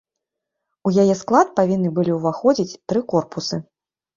У яе склад павінны былі ўваходзіць тры корпусы.